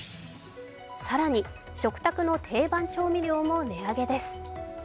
更に、食卓の定番調味料も値上げです。